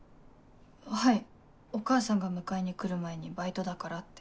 はいお母さんが迎えに来る前にバイトだからって。